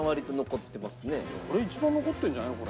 俺一番残ってるんじゃないの？